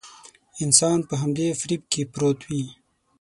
انسان په همدې فريب کې پروت وي.